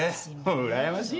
うらやましいな。